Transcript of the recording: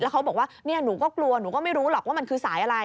เขาบอกว่าหนูก็กลัวหนูก็ไม่รู้หรอกว่ามันคือสายอะไร